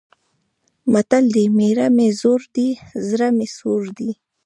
متل دی: مېړه مې زوړ دی، زړه مې سوړ دی.